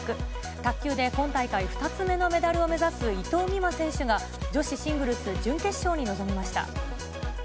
卓球で今大会２つ目のメダルを目指す伊藤美誠選手が、女子シングルス準決勝に臨みました。